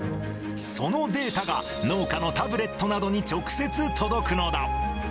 そのデータが、農家のタブレットなどに直接届くのだ。